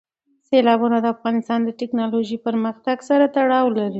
سیلابونه د افغانستان د تکنالوژۍ پرمختګ سره تړاو لري.